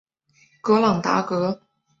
格朗达格。